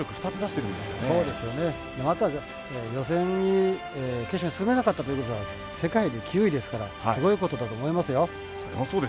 そうですよね、決勝に進めなかったとのことですが世界で９位ですからすごいことだと思いますよ。